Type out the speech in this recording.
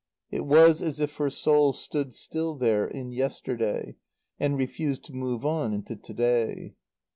It was as if her soul stood still there, in yesterday, and refused to move on into to day.